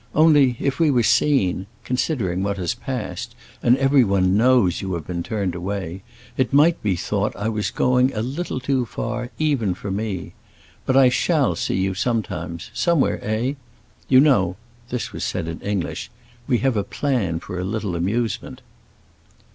Only if we were seen—considering what has passed, and everyone knows you have been turned away—it might be thought I was going a little too far, even for me. But I shall see you sometimes—somewhere, eh? You know"—this was said in English—"we have a plan for a little amusement."